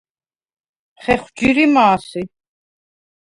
ხეხვ ჯირიმა̄ სი?